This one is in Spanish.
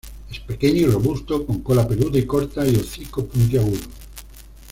Es pequeño y robusto, con cola peluda y corta, y hocico puntiagudo.